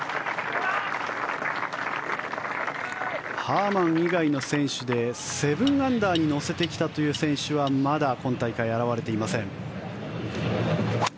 ハーマン以外の選手で７アンダーに乗せてきたという選手はまだ今大会、現れていません。